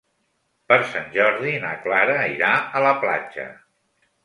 Per Sant Jordi na Clara irà a la platja.